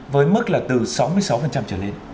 với mức là từ sáu mươi sáu trở lên